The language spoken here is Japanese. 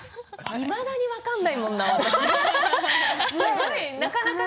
いまだに分からないもんな私。